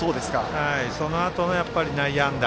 そのあとの内野安打。